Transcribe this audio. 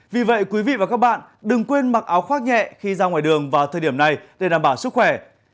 vì vậy quý vị và các bạn đừng quên mặc áo khoác nhẹ khi ra ngoài đường vào thời điểm này để đảm bảo sức khỏe